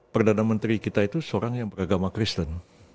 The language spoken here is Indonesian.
perdana menteri kita itu seorang yang beragama kristen